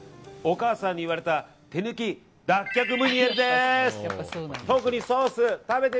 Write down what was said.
お母さんに言われた手抜き脱却ムニエルです！